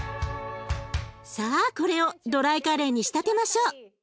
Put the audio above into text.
さあこれをドライカレーに仕立てましょう。